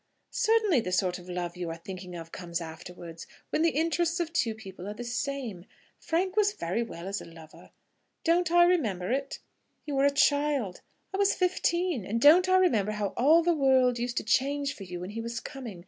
"Certainly the sort of love you are thinking of comes afterwards; when the interests of two people are the same. Frank was very well as a lover." "Don't I remember it?" "You were a child." "I was fifteen; and don't I remember how all the world used to change for you when he was coming?